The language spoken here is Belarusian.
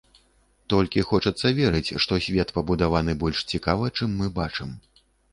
Толькі хочацца верыць, што свет пабудаваны больш цікава, чым мы бачым.